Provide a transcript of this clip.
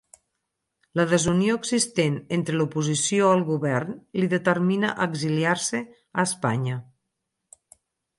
La desunió existent entre l'oposició al govern li determina a exiliar-se a Espanya.